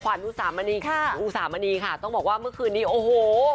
ควรมูสามานีต้องบอกว่าเมื่อกนี้โอ้โห